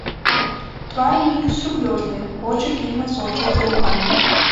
Твары ў іх сур'ёзныя, вочы пільна сочаць за рукамі.